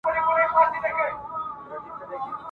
بېړۍ خپل سفر له سره وو نیولی !.